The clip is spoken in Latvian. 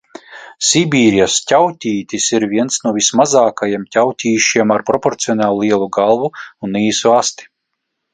Sibīrijas ķauķītis ir viens no vismazākajiem ķauķīšiem ar proporcionāli lielu galvu un īsu asti.